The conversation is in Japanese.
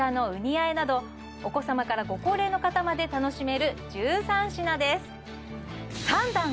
和えなどお子さまからご高齢の方まで楽しめる１３品です